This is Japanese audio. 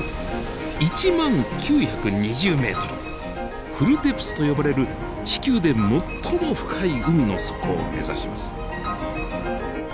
１万９２０ｍフルデプスと呼ばれる地球で最も深い海の底を目指します。